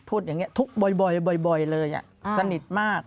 พูดอย่างนี้ทุกข์บ่อยเลยสนิทมาก